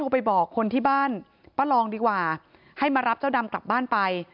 ป้าลองดีกว่าให้มารับเจ้าดำกลับบ้านไป